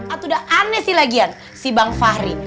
atau udah aneh sih lagian si bang fahri